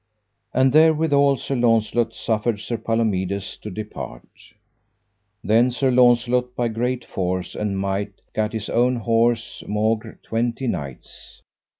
And therewithal Sir Launcelot suffered Sir Palomides to depart. Then Sir Launcelot by great force and might gat his own horse maugre twenty knights.